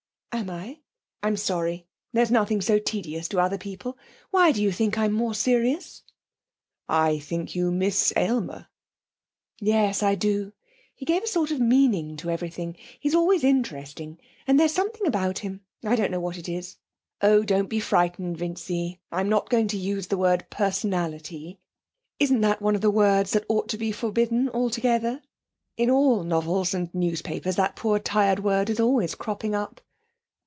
'Am I? I'm sorry; there's nothing so tedious to other people. Why do you think I'm more serious?' 'I think you miss Aylmer.' 'Yes, I do. He gave a sort of meaning to everything. He's always interesting. And there's something about him I don't know what it is. Oh, don't be frightened, Vincy, I'm not going to use the word personality. Isn't that one of the words that ought to be forbidden altogether? In all novels and newspapers that poor, tired word is always cropping up.'